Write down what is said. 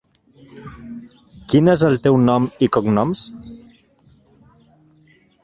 Quin és el teu nom i cognoms?